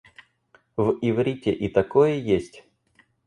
В иврите и такое есть?